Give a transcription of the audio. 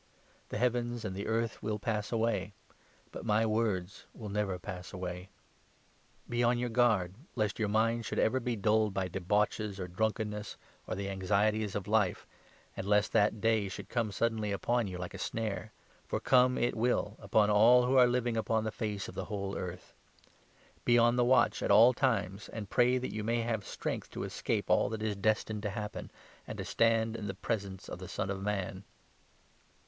The heavens and the earth will pass away, but my 33 words will never pass away. Be on your guard lest 34 your minds should ever be dulled by debauches or drunken ness or the anxieties of life, and lest ' That Day ' should come suddenly upon you, like a snare. For come it will upon all 35 who are living upon the face of the whole earth. Be on the 36 watch at all times, and pray that you may have strength to escape all that is destined to happen, and to stand in the presence of the Son of Man."